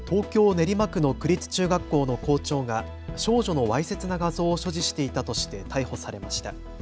練馬区の区立中学校の校長が少女のわいせつな画像を所持していたとして逮捕されました。